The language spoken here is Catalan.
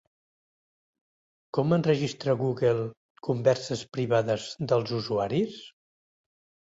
Com enregistra Google converses privades dels usuaris?